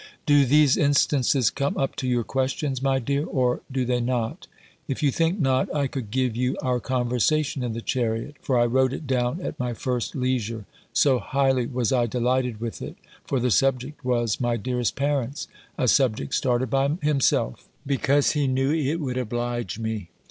Do these instances come up to your questions, my dear? or, do they not? If you think not, I could give you our conversation in the chariot: for I wrote it down at my first leisure, so highly was I delighted with it; for the subject was my dearest parents; a subject started by himself, because he knew it would oblige me.